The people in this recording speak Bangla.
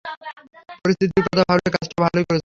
পরিস্থিতির কথা ভাবলে কাজটা ভালই করেছ।